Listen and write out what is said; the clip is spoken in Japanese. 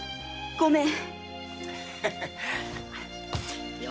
ごめん。